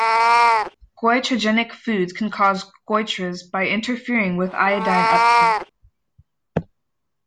Goitrogenic foods can cause goitres by interfering with iodine uptake.